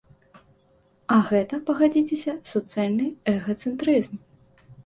А гэта, пагадзіцеся, суцэльны эгацэнтрызм.